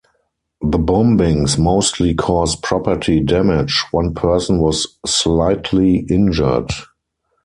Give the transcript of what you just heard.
The bombings mostly caused property damage; one person was slightly injured.